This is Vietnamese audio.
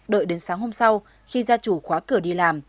đợi đến sáng hôm sau khi gia chủ khóa cửa đi làm